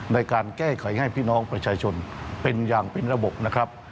ในการแก้ไขให้พี่น้องประชาชนเป็นอย่างเป็นระบบนะครับ